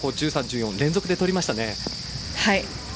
１３、１４連続で取りましたね。